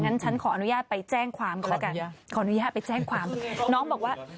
ฉันขออนุญาตไปแจ้งความกันแล้วกันขออนุญาตไปแจ้งความน้องบอกว่า